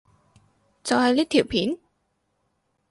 就係呢條片？